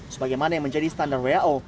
sebagaimana yang menjadi standar who